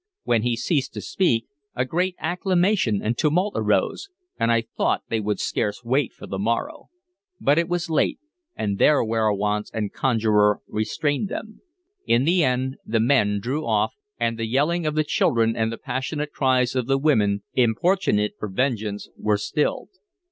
When he ceased to speak a great acclamation and tumult arose, and I thought they would scarce wait for the morrow. But it was late, and their werowance and conjurer restrained them. In the end the men drew off, and the yelling of the children and the passionate cries of the women, importunate for vengeance, were stilled.